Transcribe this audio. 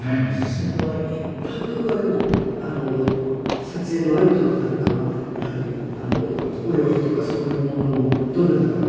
すごい！監督はでも撮影のある時なんかはやはりお洋服とかそういうものもどなたかが。